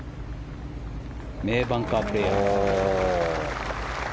名バンカープレーヤー。